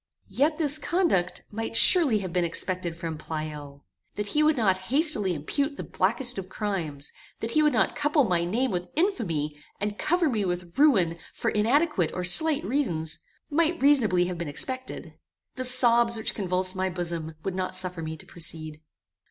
Yet this conduct might surely have been expected from Pleyel. That he would not hastily impute the blackest of crimes, that he would not couple my name with infamy, and cover me with ruin for inadequate or slight reasons, might reasonably have been expected." The sobs which convulsed my bosom would not suffer me to proceed.